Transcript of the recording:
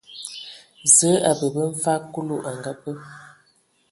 Zǝǝ a bǝbǝ mfag Kulu a ngabǝ.